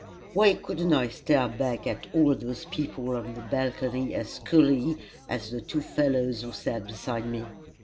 Why couldn't I stare back at all those people on the balcony as coolly as the two fellows who sat beside me?